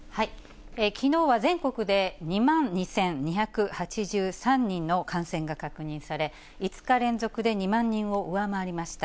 きのうは全国で２万２２８３人の感染が確認され、５日連続で２万人を上回りました。